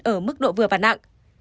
ở mức độ vừa và nặng